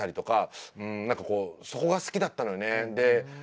何かそこが好きだったのよね。